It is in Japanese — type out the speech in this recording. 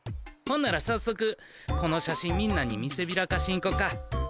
ほんならさっそくこの写真みんなに見せびらかしに行こか。